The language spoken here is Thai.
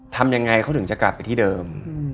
ทำยังไงเขาถึงจะกลับไปที่เดิม